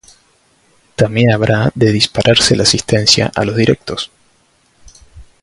también habrá de dispararse la asistencia a los directos